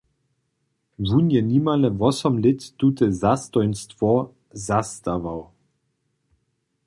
Wón je nimale wosom lět tute zastojnstwo zastawał.